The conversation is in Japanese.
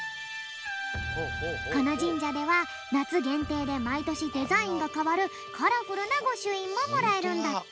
このじんじゃではなつげんていでまいとしデザインがかわるカラフルなごしゅいんももらえるんだって。